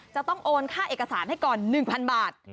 จะต้องโอนค่าเอกสารให้ก่อน๑๐๐๐บาท